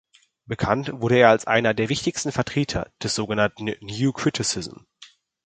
Bekannt wurde er als einer der wichtigsten Vertreter des sogenannten New Criticism.